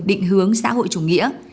định hướng xã hội chủ nghĩa